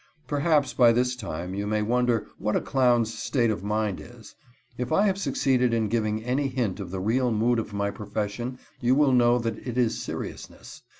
Perhaps by this time you may wonder what a clown's state of mind is. If I have succeeded in giving any hint of the real mood of my profession, you will know that it is seriousness.